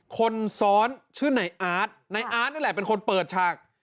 คนซ้อนชื่อนายอาร์ตนายอาร์ตนี่แหละเป็นคนเปิดฉาก